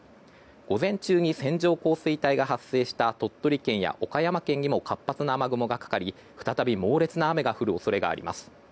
午前中に線状降水帯が発生した鳥取県や岡山県にも活発な雨雲がかかり再び猛烈な雨が降る恐れがあります。